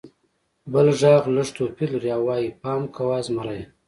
بل غږ لږ توپیر لري او وایي: «پام کوه! زمری!»